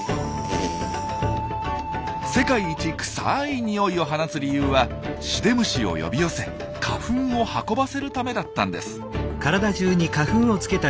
世界一くさい匂いを放つ理由はシデムシを呼び寄せ花粉を運ばせるためだったんです。